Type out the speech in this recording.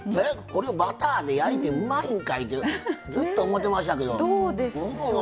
これ、バターで焼いてうまいんかいってずっと思ってましたけど。